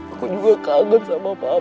aku juga kangen sama papa